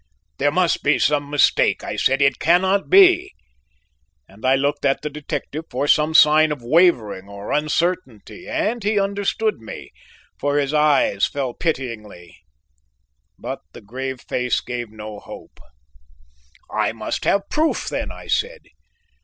"There must be some mistake," I said, "it cannot be"; and I looked at the detective for some sign of wavering or uncertainty, and he understood me, for his eyes fell pityingly, but the grave face gave no hope. "I must have proof, then," I said.